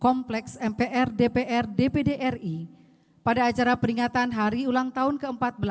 kompleks mpr dpr dpd ri pada acara peringatan hari ulang tahun ke empat belas